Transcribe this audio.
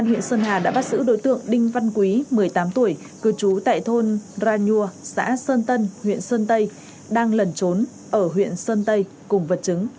những đối tượng đinh văn quý một mươi tám tuổi cư trú tại thôn rà nhuà xã sơn tân huyện sơn tây đang lần trốn ở huyện sơn tây cùng vật chứng